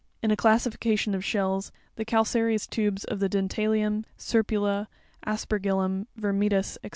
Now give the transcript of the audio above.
In a classification of shells, the calcareous tubes of the Denialium, Serpula, Aspergillum, Vermetus, &c.